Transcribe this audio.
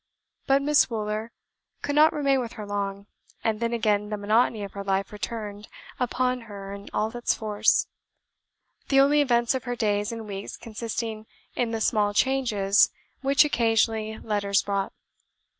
But Miss Wooler could not remain with her long; and then again the monotony of her life returned upon her in all its force; the only events of her days and weeks consisting in the small changes which occasional letters brought.